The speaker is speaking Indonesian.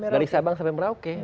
garis sabang sampai merauke